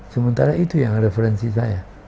sementara itu yang referensi saya